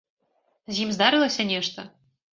З ім здарылася нешта?